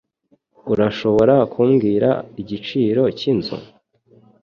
Urashobora kumbwira igiciro cyinzu?